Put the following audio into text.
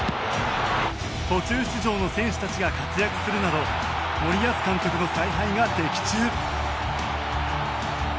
途中出場の選手たちが活躍するなど森保監督の采配が的中。